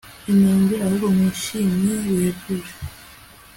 inenge ahubwo mwishimye bihebuje